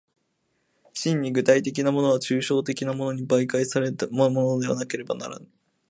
真に具体的なものは抽象的なものに媒介されたものでなければならぬ。